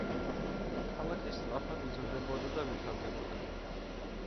ქალაქი სწრაფად იზრდებოდა და ვითარდებოდა.